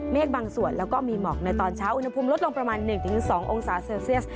บางส่วนแล้วก็มีหมอกในตอนเช้าอุณหภูมิลดลงประมาณ๑๒องศาเซลเซียส